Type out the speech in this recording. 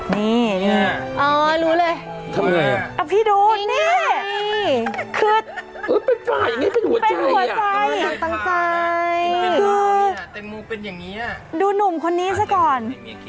นี่อ๋อรู้เลยพี่ดูนี่คือเป็นหัวใจคือดูหนุ่มคนนี้ซะก่อน